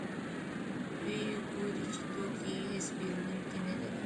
دوی ګوري چې توکي یې هېڅ پېرودونکي نلري